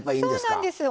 そうなんです。